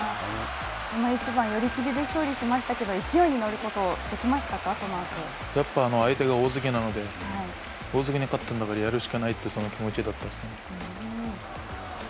寄り切りで勝利しましたけど勢いに乗ることはできましたか、やっぱ相手が大関なので大関に勝ったんだから、やるしかないというその気持ちだったです